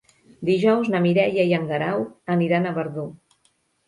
Dijous na Mireia i en Guerau aniran a Verdú.